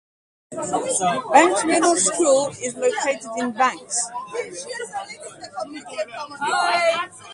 Banks Middle School is located in Banks.